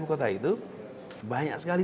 kota itu banyak sekali